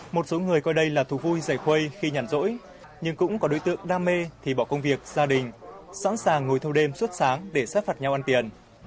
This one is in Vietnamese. một số người coi đây là thú vui dày khi nhản rỗi nhưng cũng có đối tượng đam mê thì bỏ công việc gia đình sẵn sàng ngồi thâu đêm suốt sáng để sát phạt nhau ăn tiền